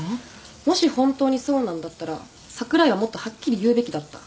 もし本当にそうなんだったら櫻井はもっとはっきり言うべきだった。